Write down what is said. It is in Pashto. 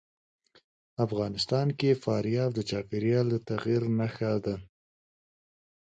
افغانستان کې فاریاب د چاپېریال د تغیر نښه ده.